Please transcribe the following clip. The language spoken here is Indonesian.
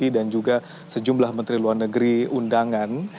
juga sejumlah menteri luar negeri undangan